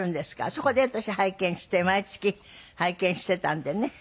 そこで私拝見して毎月拝見していたんでね。